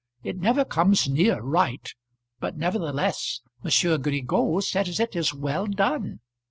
It never comes near right, but nevertheless M. Grigaud says it is well done.